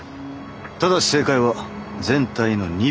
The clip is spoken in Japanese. ただし正解は全体の２％。